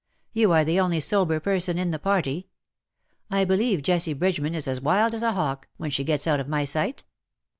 You are the only sober person in the party. I believe Jessie Bridgeman is as wild as a hawk, when she gets out of my sight.